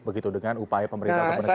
begitu dengan upaya pemerintah kemenangan